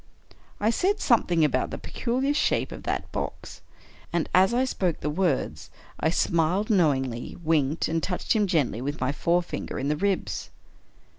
I said something about the " peculiar shape of that box "; and, as I spoke the words, I smiled knowingly, winked, and touched him gently with my forefinger in the ribs.